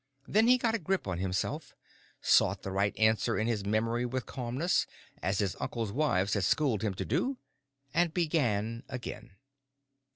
Then he got a grip on himself, sought the right answer in his memory with calmness, as his uncle's wives had schooled him to do, and began again.